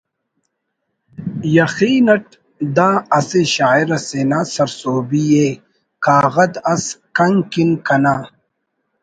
یخین it the اسہ شاعر اسے نا سر سہبی ءِ ”کاغد اس کن کن کنا